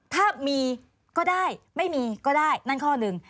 ถ้ามีก็ได้ไม่มีก็ได้นั่นข้อหนึ่ง